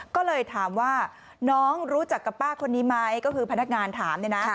ก็เลยถามว่าน้องรู้จักกับป้าคนนี้ไหมก็คือพนักงานถามเนี่ยนะ